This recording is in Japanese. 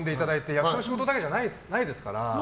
役者の仕事だけじゃないですから。